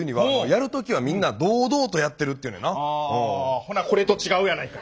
ほなこれと違うやないか。